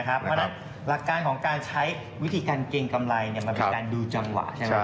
เพราะฉะนั้นหลักการของการใช้วิธีการเกรงกำไรมันเป็นการดูจังหวะใช่ไหม